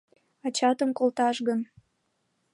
— Ачатым колташ гын?